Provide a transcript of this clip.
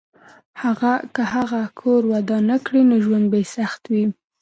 که هغه کور ودان نه کړي، نو ژوند به یې سخت وي.